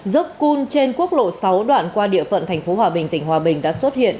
dốc cun trên quốc lộ sáu đoạn qua địa phận tp hòa bình tỉnh hòa bình đã xuất hiện